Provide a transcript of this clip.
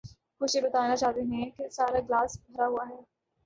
کچھ یہ بتانا چاہتے ہیں کہ سارا گلاس بھرا ہوا ہے۔